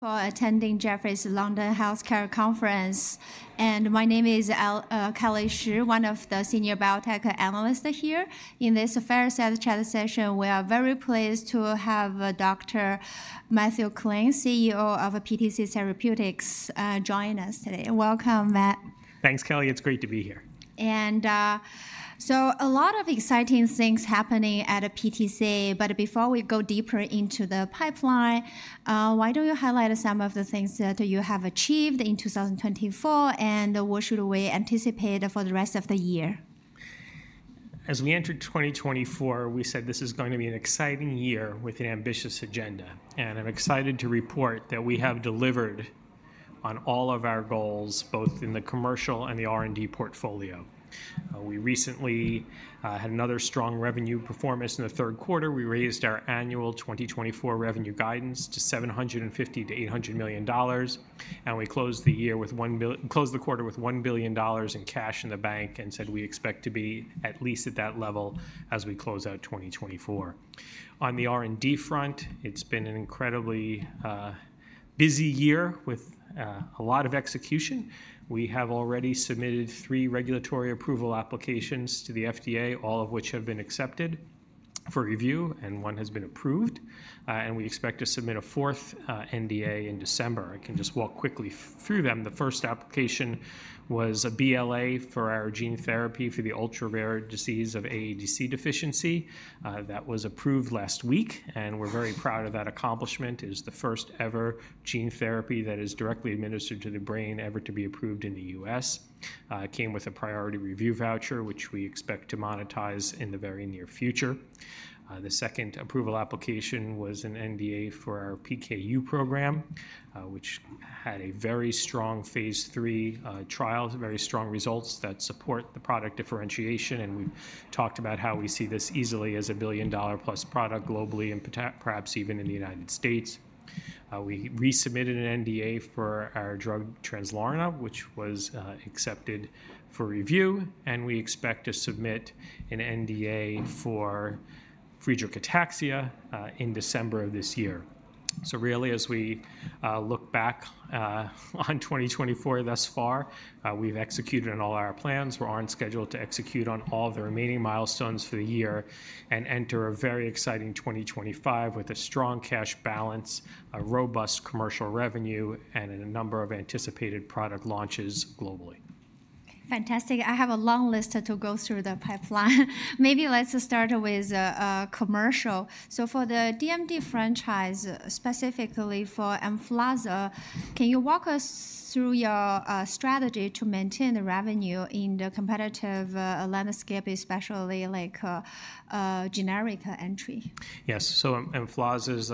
for attending Jefferies London Healthcare Conference, and my name is Kelly Shi, one of the senior biotech analysts here. In this fireside chat session, we are very pleased to have Dr. Matthew Klein, CEO of PTC Therapeutics, join us today. Welcome, Matt. Thanks, Kelly. It's great to be here. And so a lot of exciting things happening at PTC, but before we go deeper into the pipeline, why don't you highlight some of the things that you have achieved in 2024, and what should we anticipate for the rest of the year? As we entered 2024, we said this is going to be an exciting year with an ambitious agenda, and I'm excited to report that we have delivered on all of our goals, both in the commercial and the R&D portfolio. We recently had another strong revenue performance in the third quarter. We raised our annual 2024 revenue guidance to $750-$800 million, and we closed the quarter with $1 billion in cash in the bank and said we expect to be at least at that level as we close out 2024. On the R&D front, it's been an incredibly busy year with a lot of execution. We have already submitted three regulatory approval applications to the FDA, all of which have been accepted for review, and one has been approved, and we expect to submit a fourth NDA in December. I can just walk quickly through them. The first application was a BLA for our gene therapy for the ultra-rare disease of AADC deficiency. That was approved last week, and we're very proud of that accomplishment. It is the first-ever gene therapy that is directly administered to the brain ever to be approved in the U.S. It came with a Priority Review Voucher, which we expect to monetize in the very near future. The second approval application was an NDA for our PKU program, which had a very strong phase 3 trial, very strong results that support the product differentiation, and we've talked about how we see this easily as a billion-dollar-plus product globally and perhaps even in the United States. We resubmitted an NDA for our drug Translarna, which was accepted for review, and we expect to submit an NDA for Friedreich ataxia in December of this year. Really, as we look back on 2024 thus far, we've executed on all our plans. We're on schedule to execute on all the remaining milestones for the year and enter a very exciting 2025 with a strong cash balance, a robust commercial revenue, and a number of anticipated product launches globally. Fantastic. I have a long list to go through the pipeline. Maybe let's start with commercial. So for the DMD franchise, specifically for Emflaza, can you walk us through your strategy to maintain the revenue in the competitive landscape, especially like generic entry? Yes. So Emflaza is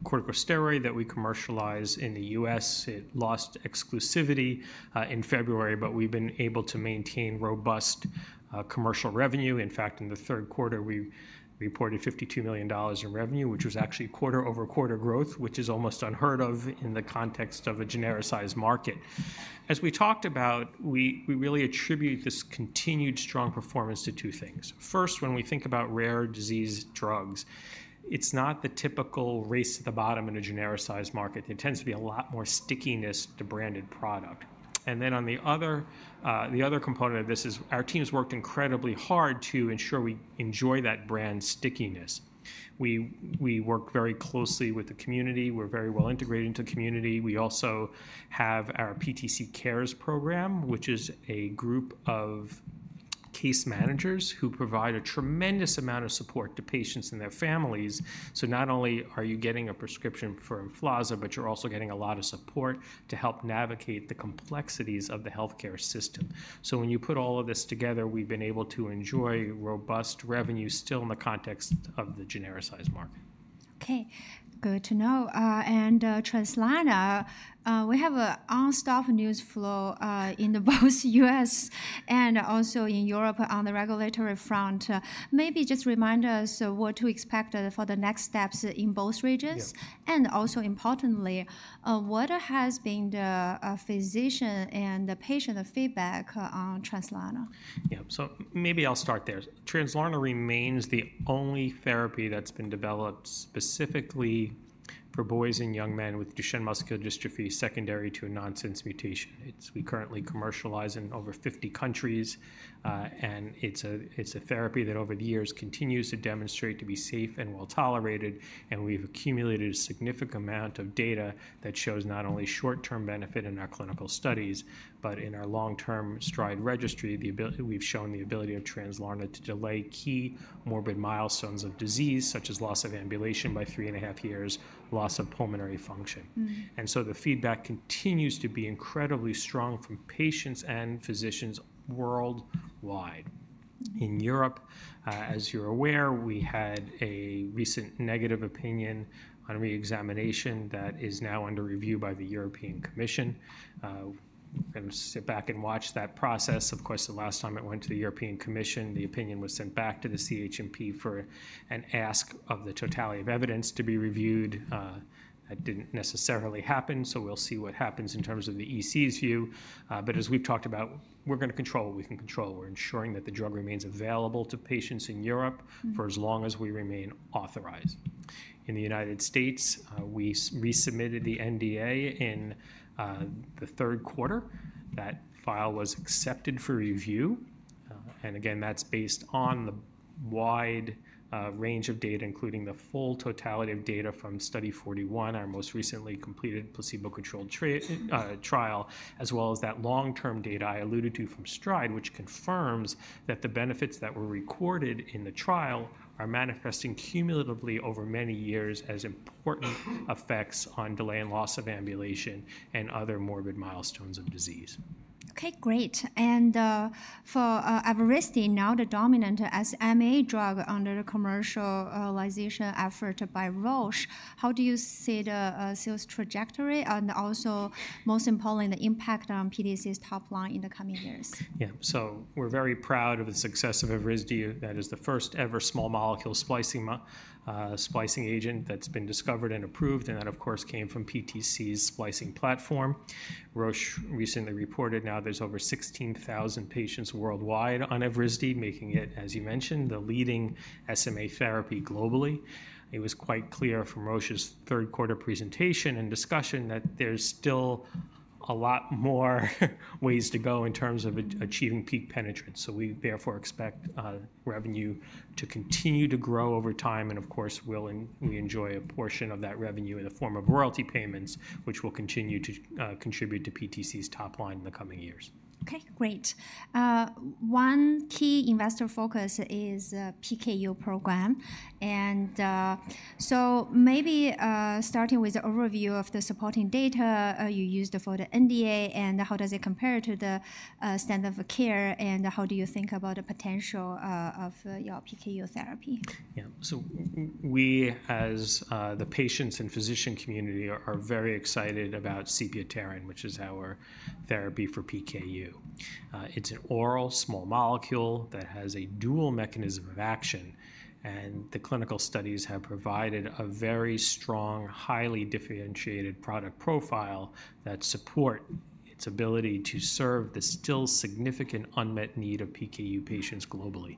a corticosteroid that we commercialize in the U.S. It lost exclusivity in February, but we've been able to maintain robust commercial revenue. In fact, in the third quarter, we reported $52 million in revenue, which was actually quarter-over-quarter growth, which is almost unheard of in the context of a genericized market. As we talked about, we really attribute this continued strong performance to two things. First, when we think about rare disease drugs, it's not the typical race to the bottom in a genericized market. There tends to be a lot more stickiness to branded product. And then on the other component of this is our team has worked incredibly hard to ensure we enjoy that brand stickiness. We work very closely with the community. We're very well integrated into the community. We also have our PTC Cares program, which is a group of case managers who provide a tremendous amount of support to patients and their families. So not only are you getting a prescription for Emflaza, but you're also getting a lot of support to help navigate the complexities of the healthcare system. So when you put all of this together, we've been able to enjoy robust revenue still in the context of the genericized market. Okay. Good to know. And Translarna, we have a non-stop news flow in both the U.S. and also in Europe on the regulatory front. Maybe just remind us what to expect for the next steps in both regions. And also importantly, what has been the physician and the patient feedback on Translarna? Yeah. So maybe I'll start there. Translarna remains the only therapy that's been developed specifically for boys and young men with Duchenne muscular dystrophy secondary to a nonsense mutation. We currently commercialize in over 50 countries, and it's a therapy that over the years continues to demonstrate to be safe and well tolerated, and we've accumulated a significant amount of data that shows not only short-term benefit in our clinical studies, but in our long-term STRIDE registry, we've shown the ability of Translarna to delay key morbid milestones of disease, such as loss of ambulation by three and a half years, loss of pulmonary function. And so the feedback continues to be incredibly strong from patients and physicians worldwide. In Europe, as you're aware, we had a recent negative opinion on reexamination that is now under review by the European Commission. We're going to sit back and watch that process. Of course, the last time it went to the European Commission, the opinion was sent back to the CHMP for an ask of the totality of evidence to be reviewed. That didn't necessarily happen, so we'll see what happens in terms of the EC's view. But as we've talked about, we're going to control what we can control. We're ensuring that the drug remains available to patients in Europe for as long as we remain authorized. In the United States, we resubmitted the NDA in the third quarter. That file was accepted for review. Again, that's based on the wide range of data, including the full totality of data from study 41, our most recently completed placebo-controlled trial, as well as that long-term data I alluded to from STRIDE, which confirms that the benefits that were recorded in the trial are manifesting cumulatively over many years as important effects on delay and loss of ambulation and other morbid milestones of disease. Okay. Great. And for Evrysdi, now the dominant SMA drug under the commercialization effort by Roche, how do you see the sales trajectory and also, most importantly, the impact on PTC's top line in the coming years? Yeah, so we're very proud of the success of Evrysdi. That is the first-ever small molecule splicing agent that's been discovered and approved, and that, of course, came from PTC's splicing platform. Roche recently reported now there's over 16,000 patients worldwide on Evrysdi, making it, as you mentioned, the leading SMA therapy globally. It was quite clear from Roche's third quarter presentation and discussion that there's still a lot more ways to go in terms of achieving peak penetrance. So we therefore expect revenue to continue to grow over time, and of course, we enjoy a portion of that revenue in the form of royalty payments, which will continue to contribute to PTC's top line in the coming years. Okay. Great. One key investor focus is the PKU program and so maybe starting with the overview of the supporting data you used for the NDA and how does it compare to the standard of care, and how do you think about the potential of your PKU therapy? Yeah. So we, as the patients and physician community, are very excited about sepiapterin, which is our therapy for PKU. It's an oral small molecule that has a dual mechanism of action, and the clinical studies have provided a very strong, highly differentiated product profile that supports its ability to serve the still significant unmet need of PKU patients globally.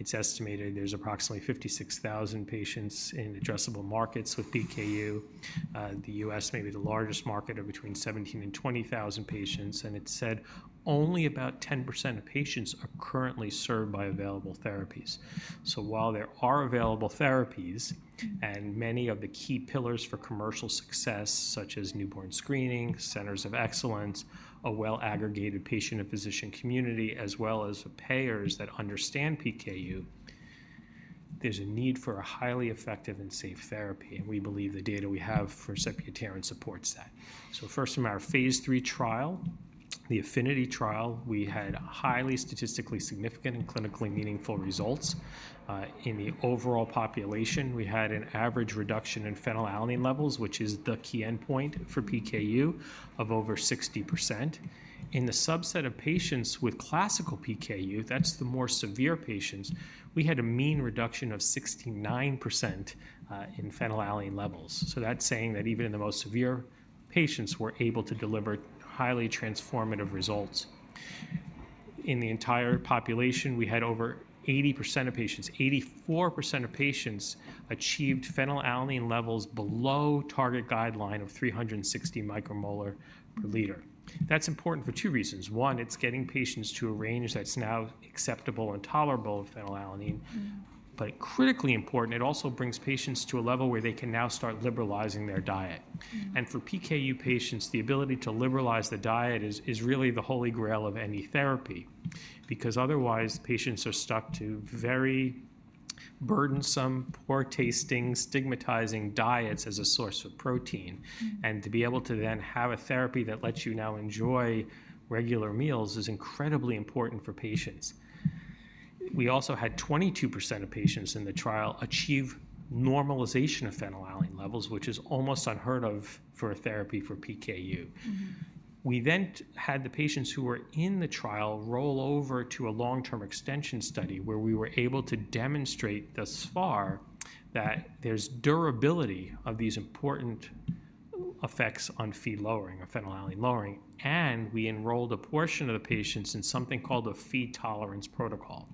It's estimated there's approximately 56,000 patients in addressable markets with PKU. The U.S. may be the largest market of between 17,000 and 20,000 patients, and it's said only about 10% of patients are currently served by available therapies. While there are available therapies, and many of the key pillars for commercial success, such as newborn screening, centers of excellence, a well-aggregated patient and physician community, as well as payers that understand PKU, there's a need for a highly effective and safe therapy, and we believe the data we have for sepiapterin supports that. First, from our phase three trial, the Aphinity trial, we had highly statistically significant and clinically meaningful results. In the overall population, we had an average reduction in phenylalanine levels, which is the key endpoint for PKU, of over 60%. In the subset of patients with classical PKU, that's the more severe patients, we had a mean reduction of 69% in phenylalanine levels. That's saying that even in the most severe patients, we're able to deliver highly transformative results. In the entire population, we had over 80% of patients, 84% of patients achieved phenylalanine levels below target guideline of 360 micromolar per liter. That's important for two reasons. One, it's getting patients to a range that's now acceptable and tolerable of phenylalanine, but critically important, it also brings patients to a level where they can now start liberalizing their diet, and for PKU patients, the ability to liberalize the diet is really the holy grail of any therapy because otherwise, patients are stuck to very burdensome, poor-tasting, stigmatizing diets as a source of protein, and to be able to then have a therapy that lets you now enjoy regular meals is incredibly important for patients. We also had 22% of patients in the trial achieve normalization of phenylalanine levels, which is almost unheard of for a therapy for PKU. We then had the patients who were in the trial roll over to a long-term extension study where we were able to demonstrate thus far that there's durability of these important effects on Phe lowering or phenylalanine lowering, and we enrolled a portion of the patients in something called a Phe tolerance protocol.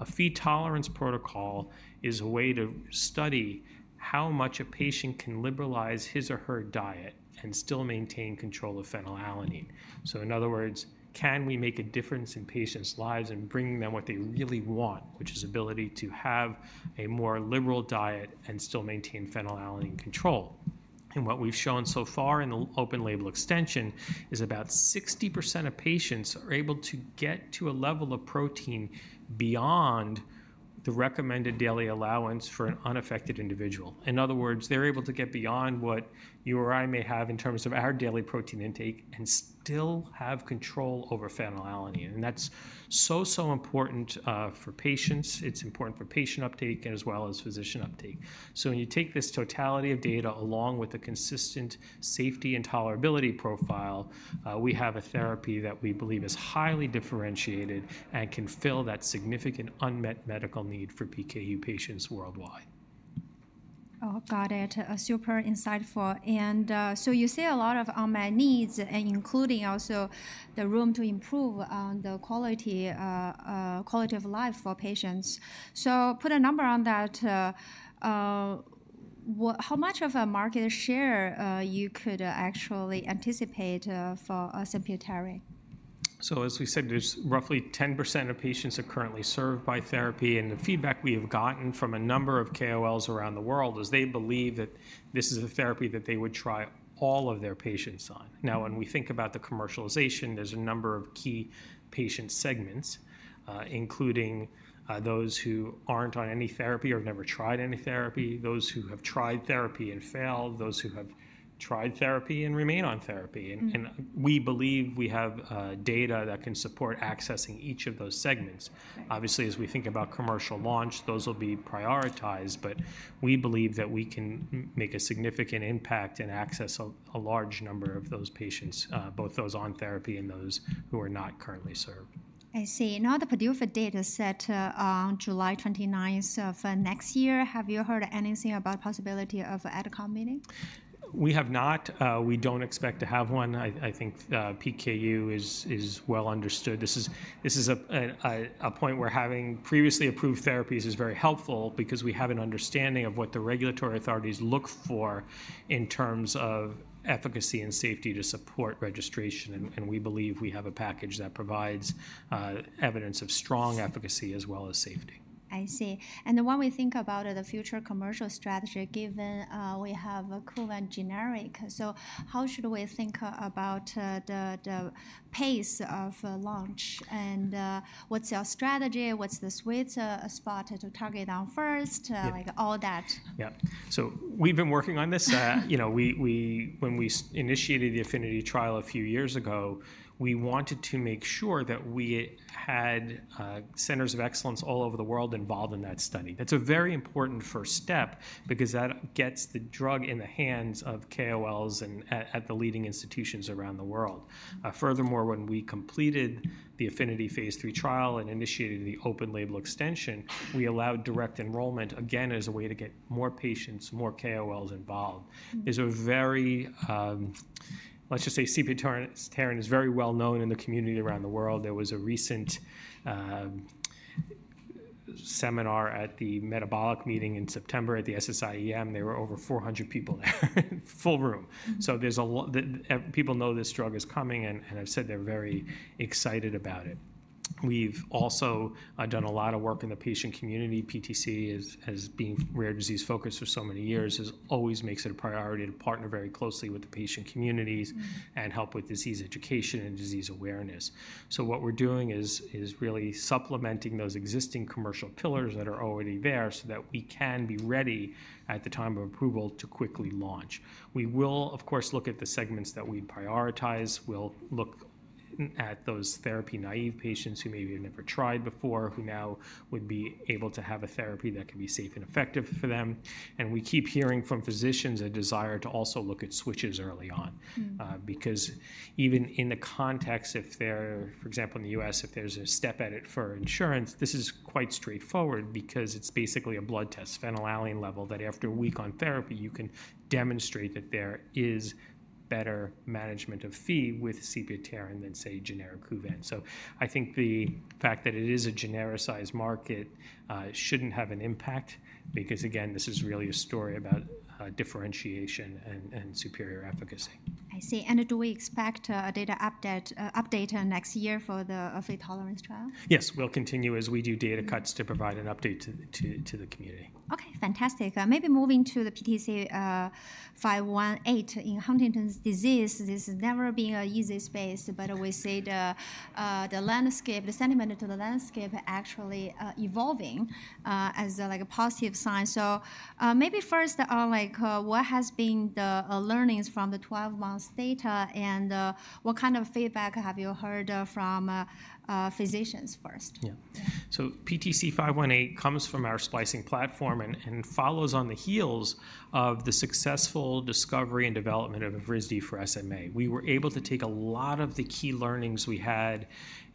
A Phe tolerance protocol is a way to study how much a patient can liberalize his or her diet and still maintain control of phenylalanine. So in other words, can we make a difference in patients' lives and bring them what they really want, which is the ability to have a more liberal diet and still maintain phenylalanine control? And what we've shown so far in the open label extension is about 60% of patients are able to get to a level of protein beyond the recommended daily allowance for an unaffected individual. In other words, they're able to get beyond what you or I may have in terms of our daily protein intake and still have control over phenylalanine, and that's so, so important for patients. It's important for patient uptake as well as physician uptake, so when you take this totality of data along with a consistent safety and tolerability profile, we have a therapy that we believe is highly differentiated and can fill that significant unmet medical need for PKU patients worldwide. Oh, got it. Super insightful, and so you see a lot of unmet needs, including also the room to improve on the quality of life for patients, so put a number on that. How much of a market share you could actually anticipate for sepiapterin? So as we said, there's roughly 10% of patients that are currently served by therapy, and the feedback we have gotten from a number of KOLs around the world is they believe that this is a therapy that they would try all of their patients on. Now, when we think about the commercialization, there's a number of key patient segments, including those who aren't on any therapy or have never tried any therapy, those who have tried therapy and failed, those who have tried therapy and remain on therapy. And we believe we have data that can support accessing each of those segments. Obviously, as we think about commercial launch, those will be prioritized, but we believe that we can make a significant impact and access a large number of those patients, both those on therapy and those who are not currently served. I see. Now, the PDUFA date set on July 29th of next year. Have you heard anything about the possibility of an adcom meeting? We have not. We don't expect to have one. I think PKU is well understood. This is a point where having previously approved therapies is very helpful because we have an understanding of what the regulatory authorities look for in terms of efficacy and safety to support registration, and we believe we have a package that provides evidence of strong efficacy as well as safety. I see. And the one we think about is the future commercial strategy given we have a Kuvan generic. So how should we think about the pace of launch and what's your strategy? What's the sweet spot to target down first, like all that? Yeah. So we've been working on this. When we initiated the Affinity trial a few years ago, we wanted to make sure that we had centers of excellence all over the world involved in that study. That's a very important first step because that gets the drug in the hands of KOLs and at the leading institutions around the world. Furthermore, when we completed the Affinity phase three trial and initiated the open label extension, we allowed direct enrollment again as a way to get more patients, more KOLs involved. There's a very, let's just say, sepiapterin is very well known in the community around the world. There was a recent seminar at the metabolic meeting in September at the SSIEM. There were over 400 people there, full room. So people know this drug is coming, and I've said they're very excited about it. We've also done a lot of work in the patient community. PTC, as being rare disease focused for so many years, always makes it a priority to partner very closely with the patient communities and help with disease education and disease awareness. So what we're doing is really supplementing those existing commercial pillars that are already there so that we can be ready at the time of approval to quickly launch. We will, of course, look at the segments that we prioritize. We'll look at those therapy naive patients who maybe have never tried before, who now would be able to have a therapy that can be safe and effective for them. We keep hearing from physicians a desire to also look at switches early on because even in the context, for example, in the U.S., if there's a step edit for insurance, this is quite straightforward because it's basically a blood test phenylalanine level that after a week on therapy, you can demonstrate that there is better management of Phe with sepiapterin than, say, generic Kuvan. So I think the fact that it is a genericized market shouldn't have an impact because, again, this is really a story about differentiation and superior efficacy. I see. And do we expect a data update next year for the Phe tolerance trial? Yes. We'll continue as we do data cuts to provide an update to the community. Okay. Fantastic. Maybe moving to the PTC518 in Huntington's disease. This has never been an easy space, but we see the landscape, the sentiment to the landscape actually evolving as a positive sign. So maybe first, what has been the learnings from the 12-month data and what kind of feedback have you heard from physicians first? Yeah. So PTC518 comes from our splicing platform and follows on the heels of the successful discovery and development of Evrysdi for SMA. We were able to take a lot of the key learnings we had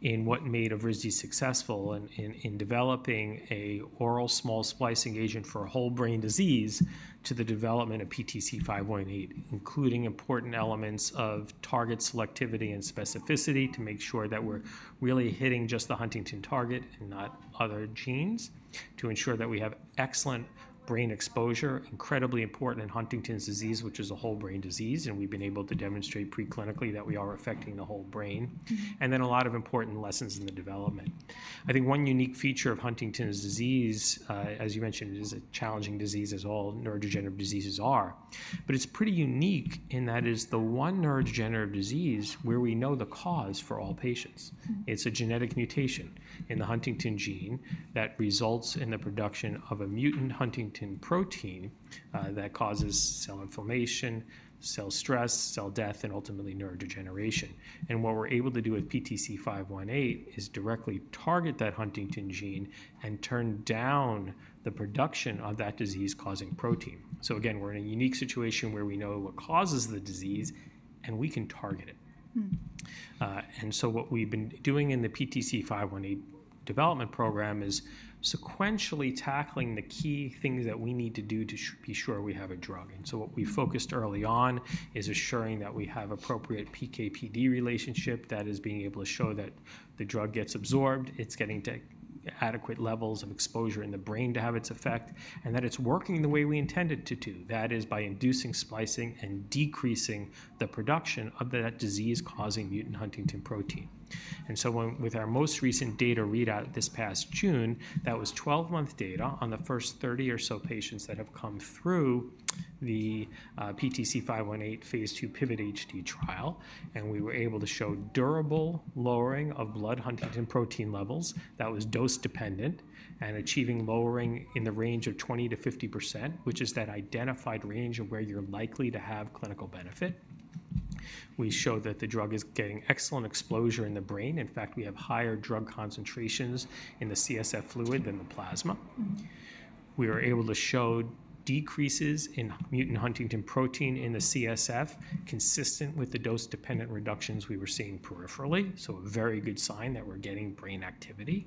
in what made Evrysdi successful in developing an oral small splicing agent for whole brain disease to the development of PTC518, including important elements of target selectivity and specificity to make sure that we're really hitting just the Huntington target and not other genes, to ensure that we have excellent brain exposure, incredibly important in Huntington's disease, which is a whole brain disease, and we've been able to demonstrate preclinically that we are affecting the whole brain, and then a lot of important lessons in the development. I think one unique feature of Huntington's disease, as you mentioned. It is a challenging disease as all neurodegenerative diseases are, but it's pretty unique in that it is the one neurodegenerative disease where we know the cause for all patients. It's a genetic mutation in the Huntington gene that results in the production of a mutant Huntington protein that causes cell inflammation, cell stress, cell death, and ultimately neurodegeneration, and what we're able to do with PTC518 is directly target that Huntington gene and turn down the production of that disease-causing protein. So again, we're in a unique situation where we know what causes the disease and we can target it, and so what we've been doing in the PTC518 development program is sequentially tackling the key things that we need to do to be sure we have a drug. And so what we focused early on is assuring that we have appropriate PK/PD relationship, that is, being able to show that the drug gets absorbed, it's getting to adequate levels of exposure in the brain to have its effect, and that it's working the way we intended to do, that is, by inducing splicing and decreasing the production of that disease-causing mutant Huntington protein. And so with our most recent data readout this past June, that was 12-month data on the first 30 or so patients that have come through the PTC518 phase 2 PIVOT-HD trial, and we were able to show durable lowering of blood Huntington protein levels that was dose-dependent and achieving lowering in the range of 20%-50%, which is that identified range of where you're likely to have clinical benefit. We show that the drug is getting excellent exposure in the brain. In fact, we have higher drug concentrations in the CSF fluid than the plasma. We were able to show decreases in mutant Huntington protein in the CSF consistent with the dose-dependent reductions we were seeing peripherally, so a very good sign that we're getting brain activity,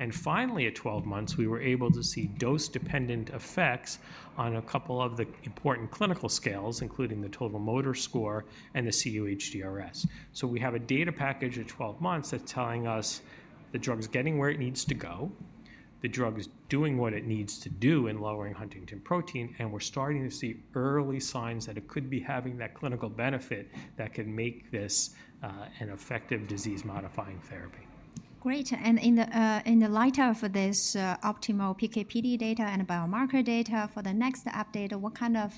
and finally, at 12 months, we were able to see dose-dependent effects on a couple of the important clinical scales, including the total motor score and the cUHDRS, so we have a data package at 12 months that's telling us the drug's getting where it needs to go, the drug's doing what it needs to do in lowering Huntington protein, and we're starting to see early signs that it could be having that clinical benefit that can make this an effective disease-modifying therapy. Great. And in the light of this optimal PK/PD data and biomarker data for the next update, what kind of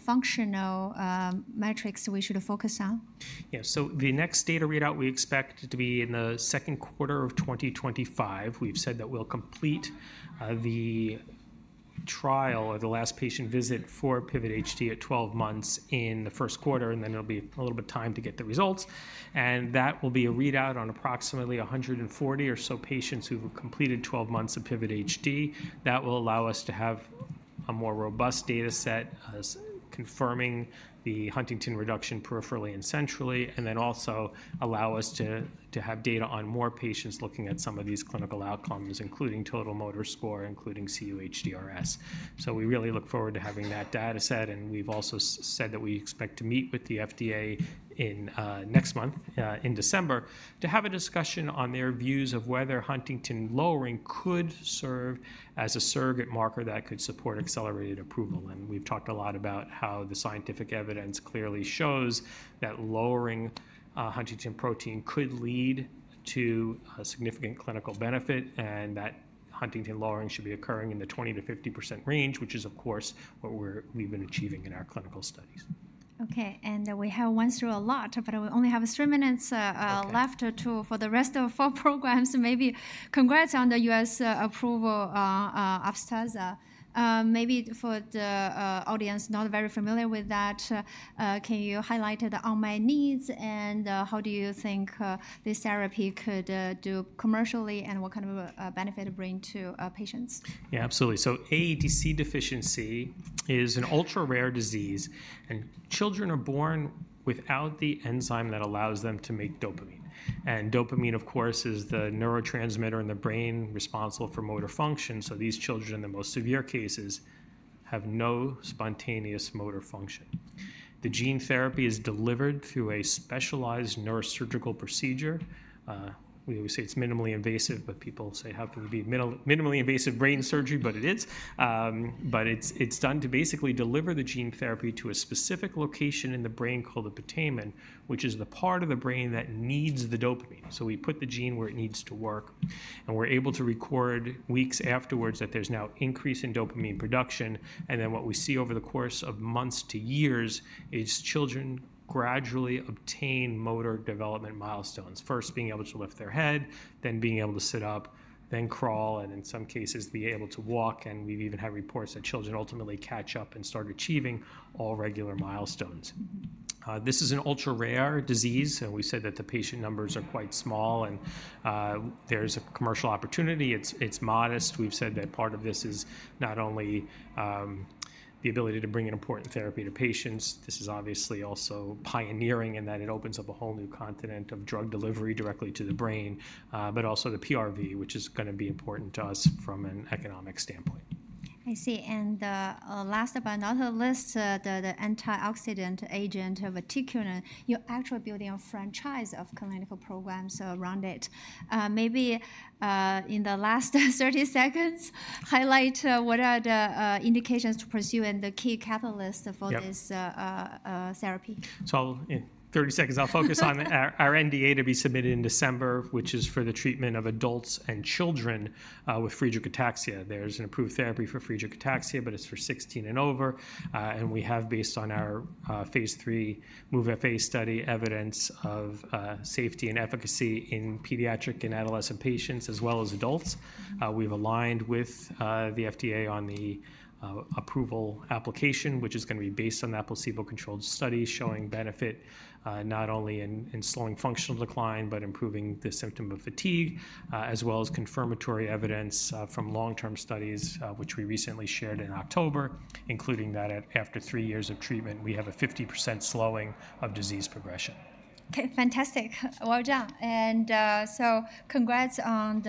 functional metrics we should focus on? Yeah. So the next data readout we expect to be in the second quarter of 2025. We've said that we'll complete the trial or the last patient visit for PIVOT-HD at 12 months in the first quarter, and then it'll be a little bit of time to get the results. And that will be a readout on approximately 140 or so patients who have completed 12 months of PIVOT-HD. That will allow us to have a more robust data set confirming the huntingtin reduction peripherally and centrally, and then also allow us to have data on more patients looking at some of these clinical outcomes, including total motor score, including cUHDRS. So we really look forward to having that data set, and we've also said that we expect to meet with the FDA next month in December to have a discussion on their views of whether huntingtin lowering could serve as a surrogate marker that could support accelerated approval. And we've talked a lot about how the scientific evidence clearly shows that lowering Huntington protein could lead to significant clinical benefit and that huntingtin lowering should be occurring in the 20%-50% range, which is, of course, what we've been achieving in our clinical studies. Okay. And we have gone through a lot, but we only have three minutes left for the rest of four programs. Maybe congrats on the U.S. approval Upstaza. Maybe for the audience not very familiar with that, can you highlight the unmet needs and how do you think this therapy could do commercially and what kind of benefit it brings to patients? Yeah, absolutely. So AADC deficiency is an ultra-rare disease, and children are born without the enzyme that allows them to make dopamine. And dopamine, of course, is the neurotransmitter in the brain responsible for motor function. So these children, in the most severe cases, have no spontaneous motor function. The gene therapy is delivered through a specialized neurosurgical procedure. We always say it's minimally invasive, but people say, "How can you be minimally invasive brain surgery?" But it is. But it's done to basically deliver the gene therapy to a specific location in the brain called the putamen, which is the part of the brain that needs the dopamine. So we put the gene where it needs to work, and we're able to record weeks afterwards that there's now an increase in dopamine production. What we see over the course of months to years is children gradually obtain motor development milestones, first being able to lift their head, then being able to sit up, then crawl, and in some cases, be able to walk. We've even had reports that children ultimately catch up and start achieving all regular milestones. This is an ultra-rare disease, and we said that the patient numbers are quite small, and there's a commercial opportunity. It's modest. We've said that part of this is not only the ability to bring an important therapy to patients. This is obviously also pioneering in that it opens up a whole new concept of drug delivery directly to the brain, but also the PRV, which is going to be important to us from an economic standpoint. I see. And last but not least, vatiquinone, you're actually building a franchise of clinical programs around it. Maybe in the last 30 seconds, highlight what are the indications to pursue and the key catalysts for this therapy? In 30 seconds, I'll focus on our NDA to be submitted in December, which is for the treatment of adults and children with Friedreich ataxia. There's an approved therapy for Friedreich ataxia, but it's for 16 and over. We have, based on our phase 3 MOVE-FA study, evidence of safety and efficacy in pediatric and adolescent patients as well as adults. We've aligned with the FDA on the approval application, which is going to be based on that placebo-controlled study showing benefit not only in slowing functional decline, but improving the symptom of fatigue, as well as confirmatory evidence from long-term studies, which we recently shared in October, including that after three years of treatment, we have a 50% slowing of disease progression. Okay. Fantastic. Well done, and so congrats on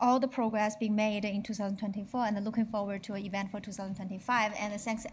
all the progress being made in 2024, and looking forward to an event for 2025, and thanks.